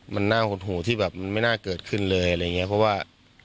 มันน่าหดหูที่แบบมันไม่น่าเกิดขึ้นเลยอะไรอย่างเงี้ยเพราะว่า